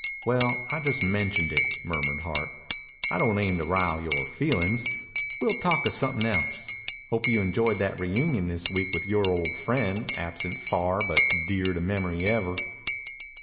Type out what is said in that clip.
"Well, I just mentioned it," murmured Hart. "I don't aim to rile yore feelin's. We'll talk of somethin' else.... Hope you enjoyed that reunion this week with yore old friend, absent far, but dear to memory ever."